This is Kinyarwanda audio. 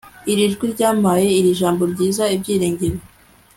iri jwi ryampaye iri jambo ryiza ibyiringiro! ..